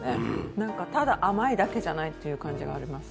なんかただ甘いだけじゃないという感じがあります。